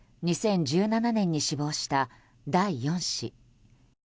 ２０１７年に死亡した第４子。